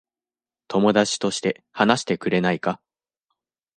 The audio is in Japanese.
友達として話してくれないか。